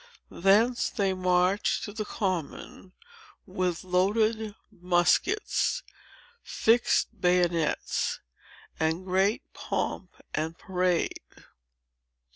Thence they marched to the Common, with loaded muskets, fixed bayonets, and great pomp and parade.